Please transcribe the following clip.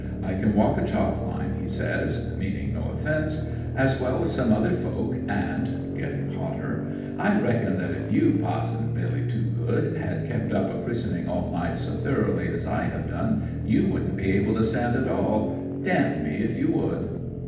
I can walk a chalk line," he says (meaning no offence), "as well as some other folk: and—" (getting hotter)—"I reckon that if you, Pa'son Billy Toogood, had kept up a christening all night so thoroughly as I have done, you wouldn't be able to stand at all; d me if you would!"